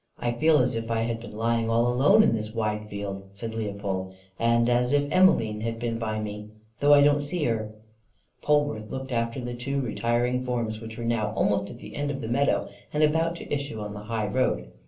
"I feel as if I had been lying all alone in this wide field," said Leopold, "and as if Emmeline had been by me, though I didn't see her." Polwarth looked after the two retiring forms, which were now almost at the end of the meadow, and about to issue on the high road.